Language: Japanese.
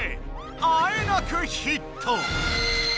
あえなくヒット！